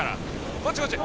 こっちこっち。